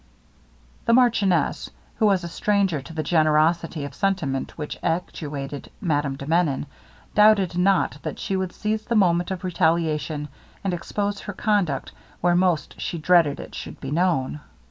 The marchioness, who was a stranger to the generosity of sentiment which actuated Madame de Menon, doubted not that she would seize the moment of retaliation, and expose her conduct where most she dreaded it should be known.